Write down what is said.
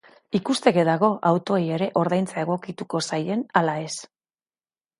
Ikusteke dago autoei ere ordaintzea egokituko zaien ala ez.